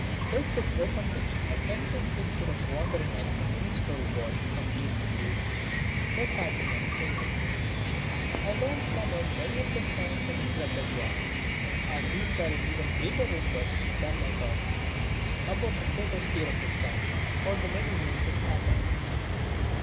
This would open up to me a tempting picture of wandering as a minstrel boy from place to place, reciting and singing. I learnt from him many of the songs in his repertoire and these were in even greater request than my talks about the photosphere of the Sun or the many moons of Saturn.